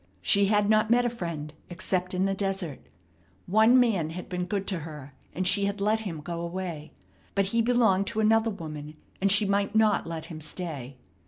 She had not met a friend except in the desert. One man had been good to her, and she had let him go away; but he belonged to another woman, and she might not let him stay.